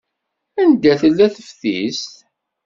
Anda tella teftist?